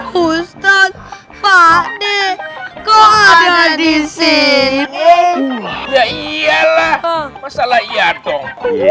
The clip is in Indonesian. kustan pade kok ada di sini iyalah masalah iya dong